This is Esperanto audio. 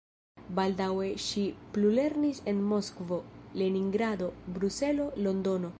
Baldaŭe ŝi plulernis en Moskvo, Leningrado, Bruselo, Londono.